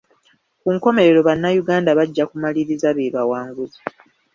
Ku nkomerero bannayuganda bajja kumaliriza be bawanguzi.